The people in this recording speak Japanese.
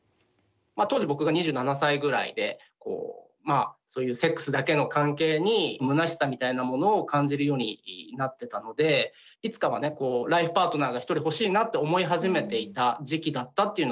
当時僕が２７歳ぐらいでそういうセックスだけの関係にむなしさみたいなものを感じるようになってたのでいつかはねライフパートナーが一人欲しいなって思い始めていた時期だったっていうのがあったと思います。